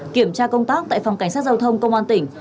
kiểm tra công tác tại phòng cảnh sát giao thông công an tỉnh